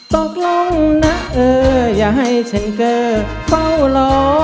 ตกลงนะเอออย่าให้ฉันเกิดเฝ้ารอ